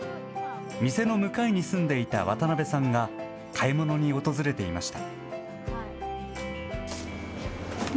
店の向かいに住んでいた渡辺さんが買い物に訪れていました。